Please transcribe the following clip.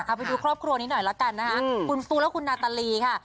เอาไปดูครอบครัวนี้หน่อยละกันนะคะคุณฟูและคุณนาตาลีค่ะ